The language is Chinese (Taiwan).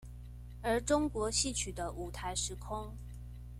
而中國戲曲的舞臺時空